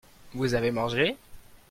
Vous avez mangé ?